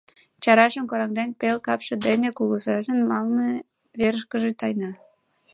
Чаршам кораҥден, пел капше дене кугызажын малыме верышкыже тайна.